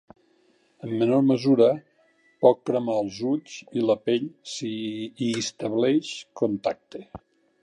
En menor mesura, pot cremar els ulls i la pell si hi estableix contacte.